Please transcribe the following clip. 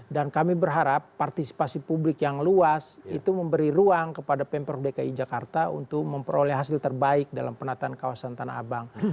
dan kami berharap partisipasi publik yang luas itu memberi ruang kepada pm prof dki jakarta untuk memperoleh hasil terbaik dalam penataan kawasan tanah abang